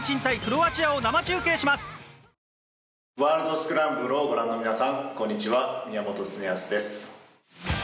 スクランブルをご覧の皆さんこんにちは。